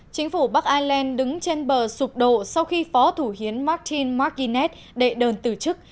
chính phủ bắc ireland đứng trên bờ sụp đổ sau khi phó thủ hiến mrtin mcinets đệ đơn từ chức